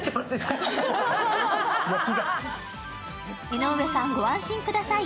江上さん、ご安心ください。